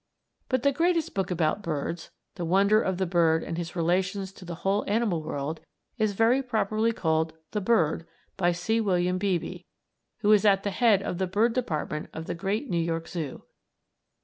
But the greatest book about birds the wonder of the bird and his relations to the whole animal world is very properly called "The Bird," by C. William Beebe, who is at the head of the bird department of the great New York Zoo.